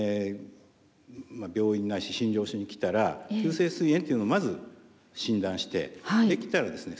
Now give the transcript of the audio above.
病院ないし診療所に来たら急性すい炎というのをまず診断してできたらですね